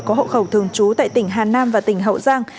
có hộ khẩu thường trú tại tỉnh hà nam và tỉnh hậu giang